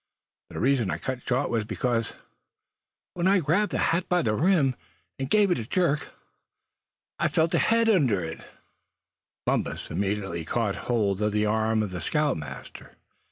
The reason I cut short was because, when I grabbed the hat by the rim, and gave a jerk, I felt a head under it!" Bumpus immediately caught hold of the arm of the scoutmaster.